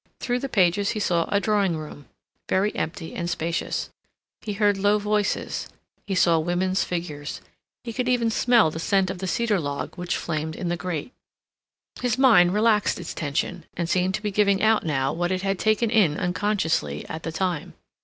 Through the pages he saw a drawing room, very empty and spacious; he heard low voices, he saw women's figures, he could even smell the scent of the cedar log which flamed in the grate. His mind relaxed its tension, and seemed to be giving out now what it had taken in unconsciously at the time.